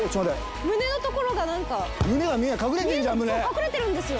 隠れてるんですよ